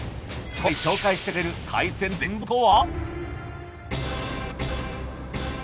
今回紹介してくれる海鮮の全貌とは？